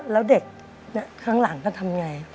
แล้วเด็กข้างหลังก็ทำไง